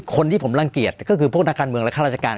คนที่ผมรังเกียจก็คือพวกนักการเมืองและข้าราชการ